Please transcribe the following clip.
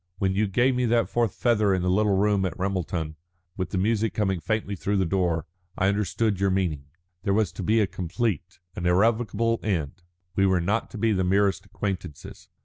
When you gave me that fourth feather in the little room at Ramelton, with the music coming faintly through the door, I understood your meaning. There was to be a complete, an irrevocable end. We were not to be the merest acquaintances.